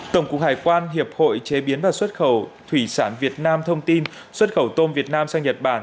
tổng cục hải quan hiệp hội chế biến và xuất khẩu thủy sản việt nam thông tin xuất khẩu tôm việt nam sang nhật bản